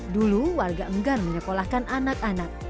dulu warga enggan menyekolahkan anak anak